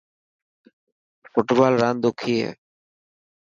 فٽبال راند ڏکي هي.